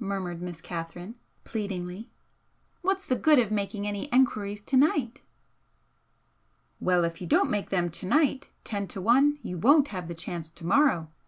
murmured Miss Catherine, pleadingly "What's the good of making any enquiries to night?" "Well, if you don't make them to night ten to one you won't have the chance to morrow!"